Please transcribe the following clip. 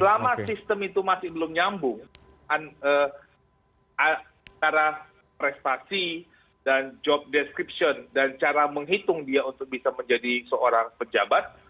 selama sistem itu masih belum nyambung antara prestasi dan job description dan cara menghitung dia untuk bisa menjadi seorang pejabat